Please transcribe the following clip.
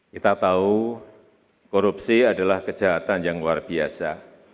kita tahu korupsi adalah kejahatan yang luar biasa